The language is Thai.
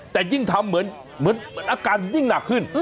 แต่ยิ่งทำเหมือนอาการยิ่งหนักขึ้น